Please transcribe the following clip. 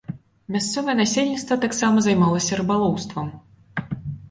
Мясцовае насельніцтва таксама займалася рыбалоўствам.